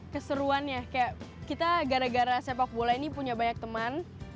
keseruannya kayak kita gara gara sepak bola ini punya banyak teman